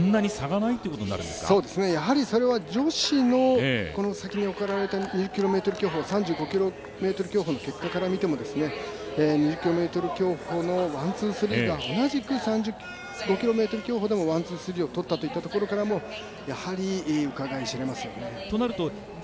それは女子の先に行われた２０ｋｍ競歩３５ｋｍ競歩の結果から見ても２０ｋｍのワン・ツー・スリーがワン・ツー・スリーを取ったというところからもうかがい知れますよね。